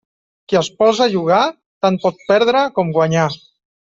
Qui es posa a jugar, tant pot perdre com guanyar.